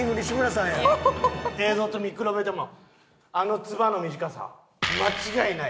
映像と見比べてもあのツバの短さ間違いない。